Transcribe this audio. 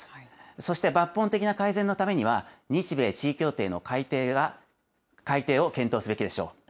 そして抜本的な改善のためには、日米地位協定の改定を検討すべきでしょう。